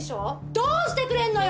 どうしてくれんのよ？